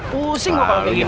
pusing gue kalau kayak gini